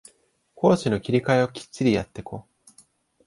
攻守の切り替えをきっちりやってこ